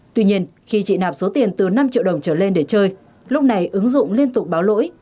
tuy nhiên khi chị nạp số tiền từ năm triệu đồng trở lên để chơi lúc này ứng dụng liên tục báo lỗi